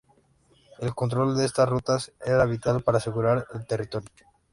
El control de estas rutas era vital para asegurar el territorio.